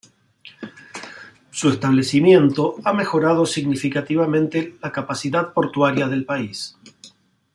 Su establecimiento ha mejorado significativamente la capacidad portuaria del país.